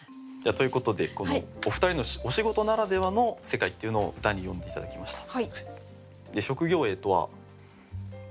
ということでお二人のお仕事ならではの世界っていうのを歌に詠んで頂きました。